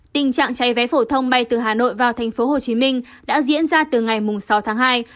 tình trạng cháy vé phổ thông bay từ hà nội vào tp hcm đã diễn ra từ ngày sáu tháng hai